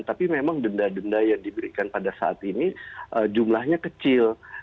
tapi memang denda denda yang diberikan pada saat ini jumlahnya kecil